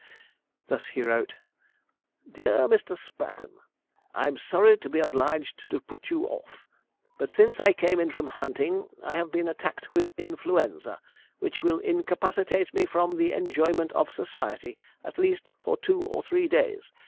Thus he wrote: 'DEAR MR. SPRAGGON, 'I am sorry to be obliged to put you off; but since I came in from hunting I have been attacked with influenza, which will incapacitate me from the enjoyment of society at least for two or three days.